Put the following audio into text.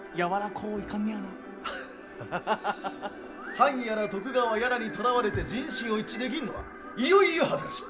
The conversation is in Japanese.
藩やら徳川やらにとらわれて人心を一致できんのはいよいよ恥ずかしい。